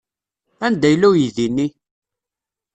Anda yella uydi-nni?